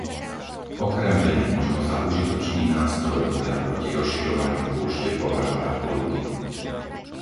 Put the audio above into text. Okrem vedy možno za užitočný nástroj boja proti rozširovaniu púšte považovať politiku.